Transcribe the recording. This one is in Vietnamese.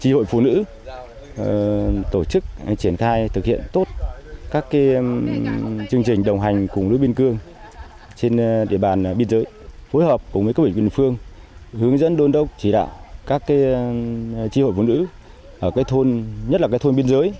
chúng tôi cũng đã tổ chức triển khai thực hiện tốt các chương trình đồng hành cùng nữ biên cương trên địa bàn biên giới phối hợp cùng với các bệnh viện phương hướng dẫn đôn đốc chỉ đạo các tri hội phụ nữ nhất là các thôn biên giới